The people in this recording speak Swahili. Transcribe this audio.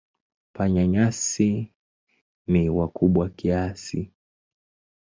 Panya-nyasi ni wakubwa kiasi.